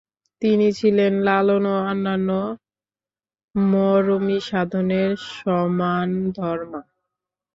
তিনি ছিলেন লালন ও অন্যান্য মরমী সাধকের সমানধর্মা।